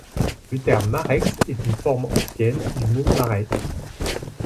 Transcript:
Le terme Marexhe est une forme ancienne du mot marais.